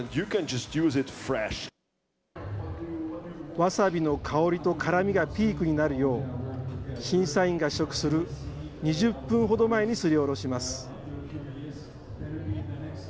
ワサビの香りと辛みがピークになるよう、審査員が試食する２０分ほど前にすりおろします。